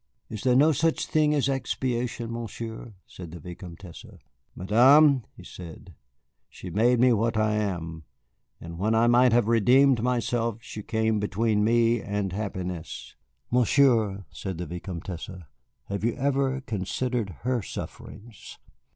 "Is there no such thing as expiation, Monsieur?" said the Vicomtesse. "Madame," he said, "she made me what I am, and when I might have redeemed myself she came between me and happiness." "Monsieur," said the Vicomtesse, "have you ever considered her sufferings?"